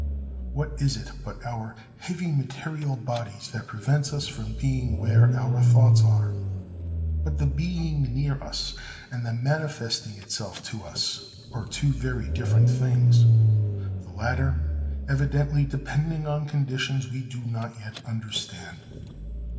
What is it but our heavy material bodies that prevents us from being where our thoughts are? But the being near us, and the manifesting itself to us, are two very different things, the latter evidently depending on conditions we do not yet understand.